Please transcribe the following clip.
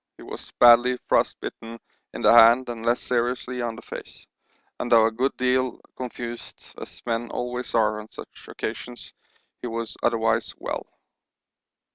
He was badly frostbitten in the hand and less seriously on the face, and though a good deal confused, as men always are on such occasions, he was otherwise well.